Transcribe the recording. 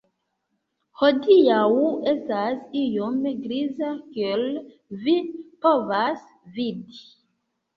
Hodiaŭ estas iom griza kiel vi povas vidi